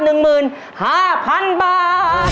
๑หมื่น๕พันบาท